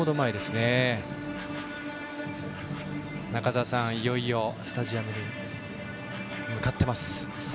中澤さん、いよいよスタジアムに向かっています。